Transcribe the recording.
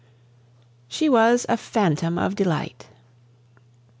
SHE WAS A PHANTOM OF DELIGHT.